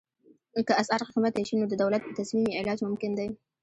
که اسعار قیمته شي نو د دولت په تصمیم یې علاج ممکن دی.